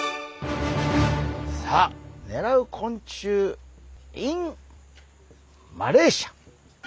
さあ「狙う昆虫ｉｎマレーシア」。